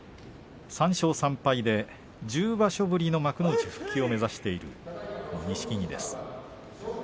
３勝３敗で１０場所ぶりの幕内復帰を目指しています。